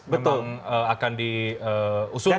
memang akan diusungkan